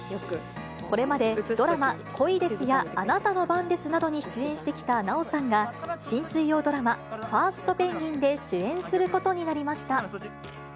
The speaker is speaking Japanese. これまで、ドラマ、恋です！やあなたの番ですなどに出演してきた奈緒さんが、新水曜ドラマ、ファーストペンギン！で主演することになりました。